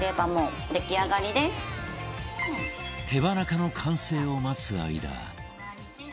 手羽中の完成を待つ間